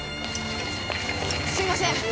すいません